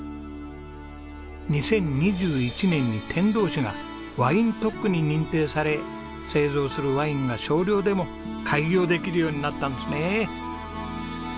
２０２１年に天童市がワイン特区に認定され製造するワインが少量でも開業できるようになったんですね。